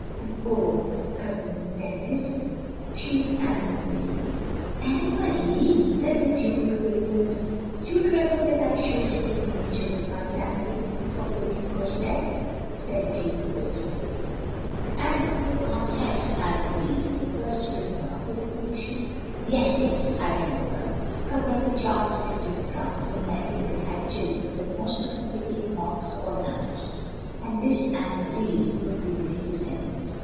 And oh. Cousin Denis, she is Anne Marie. " "Anne Marie!" said the Duke, bewildered. " You remember that I showed you the minia tures of my family — of the de Coursets," said OF GROSVENOR SQUARE 349 Jeanne wistfiilly, "and the pcx>r Comtesse Anne Marie, the first prisoner of the Revolution?" "Yes, yes, I remember." "Her brother Charles lived in France, and married, and had children, but most of them became monks or nuns. And this Anne Marie is the only living descendant.